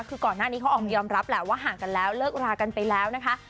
คือก่อนหน้านี้เขาออกมายอมรับแหละว่าห่างกันแล้วเลิกรากันไปแล้วนะคะ